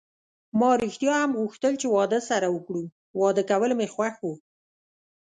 ما ریښتیا هم غوښتل چې واده سره وکړو، واده کول مې خوښ و.